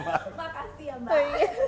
makasih ya mbak